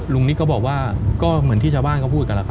ลุงนิดก็บอกว่าก็เหมือนที่ชาวบ้านก็พูดกันแหละ